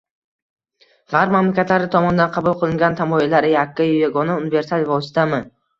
g‘arb mamlakatlari tomonidan qabul qilingan tamoyillar yakka-yu yagona – universal vositami?